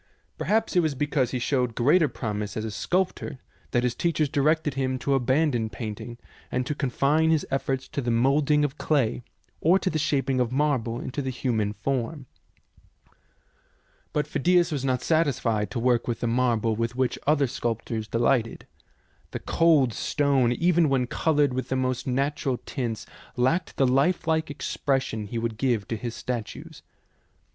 Perhaps it was be cause he showed greater promise as a sculptor that his teachers directed him to abandon paint ing and to confine his efforts to the moulding of clay, or to the shaping of marble into the human form. But Phidias was not satisfied to work with the marble with which other sculptors delighted. The cold stone, even when coloured with the most natural tints, lacked the lifelike expression he would give to his statues.